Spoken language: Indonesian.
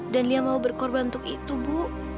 dan liat mau berkorban untuk itu bu